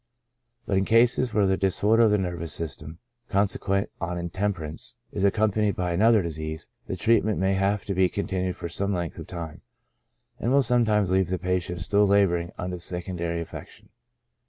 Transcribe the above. But in cases where the disorder of the nervous system, consequent on intemperance, is accompa nied by another disease, the treatment may have to be con tinued for some length of time, and will sometimes leave the patient still laboring under the secondary affection.